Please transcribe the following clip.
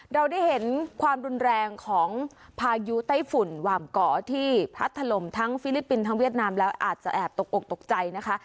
เราได้เห็นความรุนแรงของพายุไต้ฝุ่นหว่ามก่อที่พัดถล่มทั้งฟิลิปปินส์ทั้งเวียดนามแล้วอาจจะแอบตกอกตกใจนะคะ